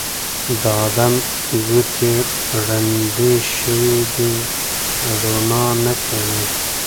د ادم ګوتې ړندې شوي دي روڼا نه کوي